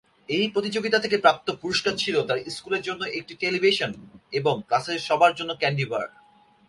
এই প্রতিযোগিতা থেকে প্রাপ্ত পুরস্কার ছিল তার স্কুলের জন্য একটি টেলিভিশন এবং ক্লাসের সবার জন্য ক্যান্ডিবার।